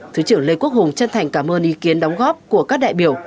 thứ trưởng lê quốc hùng chân thành cảm ơn ý kiến đóng góp của các đại biểu